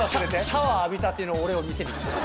シャワー浴びたての俺を見せに来た。